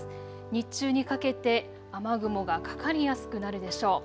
日中にかけて雨雲がかかりやすくなるでしょう。